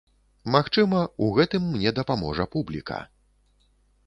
Магчыма, у гэтым мне дапаможа публіка.